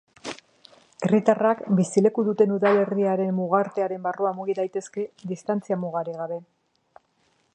Herritarrak bizileku duten udalerriaren mugartearen barruan mugi daitezke, distantzia-mugarik gabe.